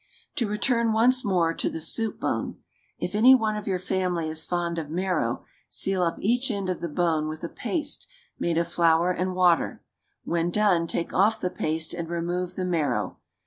To return once more to the soup bone. If any one of your family is fond of marrow, seal up each end of the bone with a paste made of flour and water. When done, take off the paste, and remove the marrow.